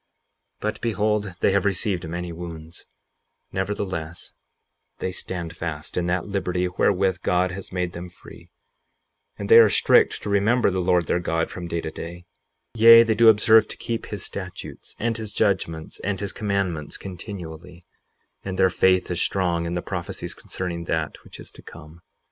58:40 But behold, they have received many wounds; nevertheless they stand fast in that liberty wherewith God has made them free; and they are strict to remember the Lord their God from day to day; yea, they do observe to keep his statutes, and his judgments, and his commandments continually; and their faith is strong in the prophecies concerning that which is to come.